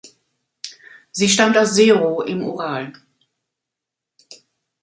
Sie stammt aus Serow im Ural.